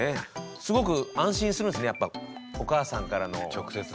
すごく安心するんすねやっぱお母さんからの言葉で。